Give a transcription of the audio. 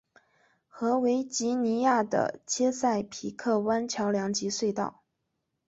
和维吉尼亚的切塞皮克湾桥梁及隧道。